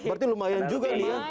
berarti lumayan juga ya